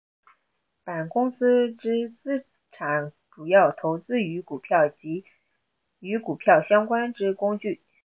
本公司之资产主要投资于股票及与股票相关之工具。